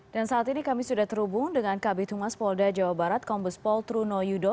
dan saat ini kami sudah terhubung dengan kb tumas polda jawa barat kombes pol truno yudo